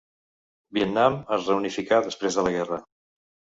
Vietnam es reunificà després de la guerra.